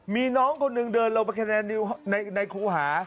มีน้องคนหนึ่งเดินลงไปคะแนนในครูหา